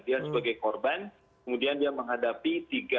dia sebagai korban kemudian dia menghadapi tiga